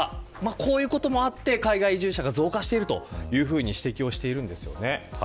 こういうこともあって海外移住者が増加しているというふうに指摘しています。